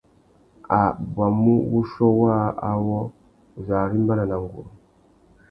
A bwamú wuchiô waā awô, uzu arimbana na nguru.